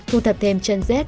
thu thập thêm chân rét